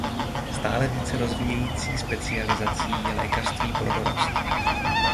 Stále více se rozvíjející specializací je lékařství pro dorost.